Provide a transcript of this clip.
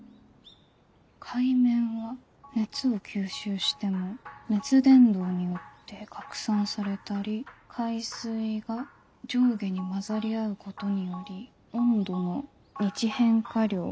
「海面は熱を吸収しても熱伝導によって拡散されたり海水が上下に混ざり合うことにより温度の日変化量は２℃以下」。